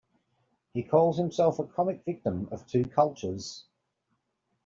He calls himself a comic victim of two cultures.